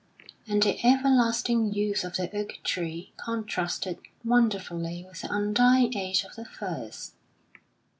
And the ever lasting youth of the oak trees contrasted wonderfully with the undying age of the firs.